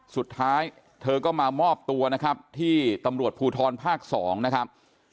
สุดท้ายเธอก็มามอบตัวนะครับที่ตำรวจภูทรภาค๒นะครับ